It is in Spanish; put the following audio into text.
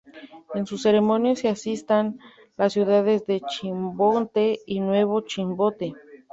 En sus cercanías se asientan las ciudades de Chimbote y Nuevo Chimbote.